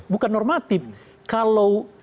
bukan normatif kalau